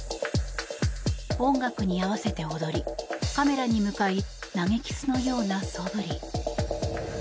音楽に合わせて踊りカメラに向かい投げキスのようなそぶり。